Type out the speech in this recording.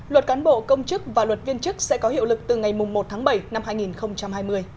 luật cán bộ công chức và luật viên chức sẽ có hiệu lực từ ngày một tháng bảy năm hai nghìn hai mươi